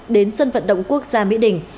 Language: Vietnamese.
đến sân vận động quốc gia mỹ đình